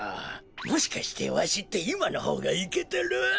もしかしてわしっていまのほうがいけてる？